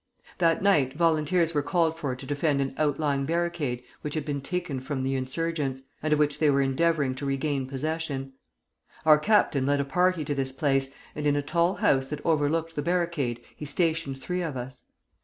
"That night volunteers were called for to defend an outlying barricade which had been taren from the insurgents, and of which they were endeavoring to regain possession. Our captain led a party to this place, and in a tall house that overlooked the barricade he stationed three of us.